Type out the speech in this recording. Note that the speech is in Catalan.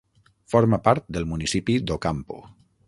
Forma part del municipi d"Ocampo.